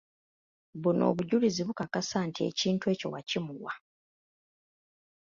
Buno obujulizi bukakasa nti ekintu ekyo wakimuwa.